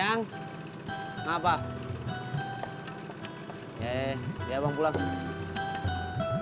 anaknya mertua sayah mertua abang berarti ini gua